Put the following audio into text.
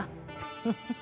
フフフ。